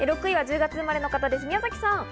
６位は１０月生まれの方です、宮崎さん。